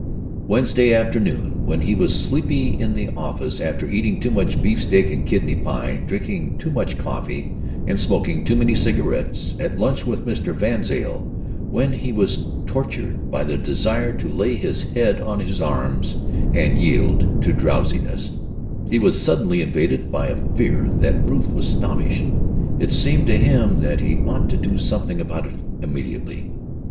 Wednesday afternoon, when he was sleepy in the office after eating too much beefsteak and kidney pie, drinking too much coffee, and smoking too many cigarettes, at lunch with Mr. VanZile, when he was tortured by the desire to lay his head on his arms and yield to drowsiness, he was suddenly invaded by a fear that Ruth was snobbish. It seemed to him that he ought to do something about it immediately.